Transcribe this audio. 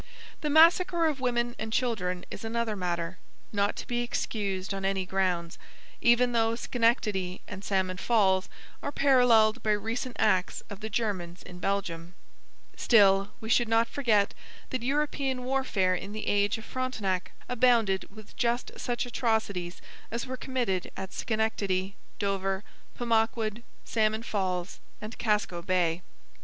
The massacre of women and children is another matter, not to be excused on any grounds, even though Schenectady and Salmon Falls are paralleled by recent acts of the Germans in Belgium. Still, we should not forget that European warfare in the age of Frontenac abounded with just such atrocities as were committed at Schenectady, Dover, Pemaquid, Salmon Falls, and Casco Bay.